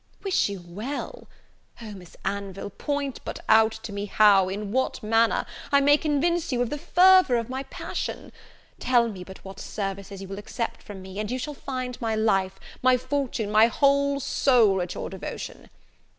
"Wish you well! O, Miss Anville, point but out to me how, in what manner, I may convince you of the fervour of my passion; tell me but what services you will accept from me, and you shall find my life, my fortune, my whole soul at your devotion."